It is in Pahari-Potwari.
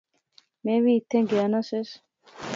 میں وی ایتھیں گیا نا سیس